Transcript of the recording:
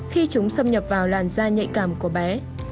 khi chúng xâm nhập vào làn da nhạy cảm của bé